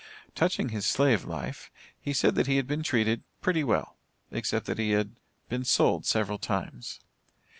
Touching his slave life, he said that he had been treated "pretty well," except that he "had been sold several times."